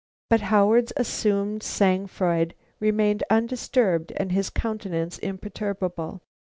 But Howard's assumed sang froid remained undisturbed and his countenance imperturbable.